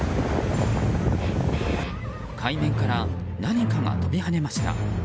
海面から何かが飛び跳ねました。